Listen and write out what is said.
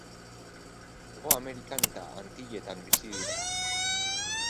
Hego Amerikan eta Antilletan bizi dira.